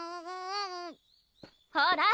ほら！